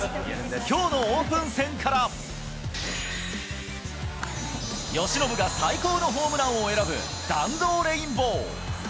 きょうのオープン戦から、由伸が最高のホームランを選ぶ、弾道レインボー。